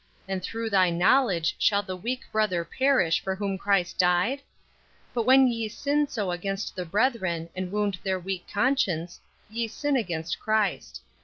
And through thy knowledge shall the weak brother perish for whom Christ died? But when ye sin so against the brethren and wound their weak conscience, ye sin against Christ.